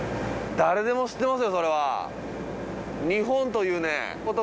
誰でも知ってますよそれは。